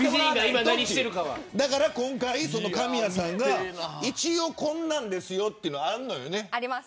今回、神谷さんが一応こんなんですよというのがあるのよね。